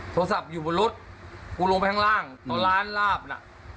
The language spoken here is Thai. โทรศัพท์อยู่บนรถกูลงไปข้างล่างตัวร้านลาบล่ะ